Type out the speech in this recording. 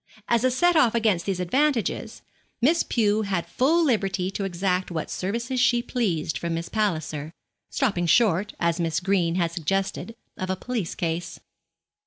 As a set off against these advantages, Miss Pew had full liberty to exact what services she pleased from Miss Palliser, stopping short, as Miss Green had suggested, of a police case.